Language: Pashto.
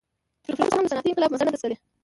افریقا اوس هم د صنعتي انقلاب مزه نه ده څکلې.